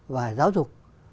và giáo dục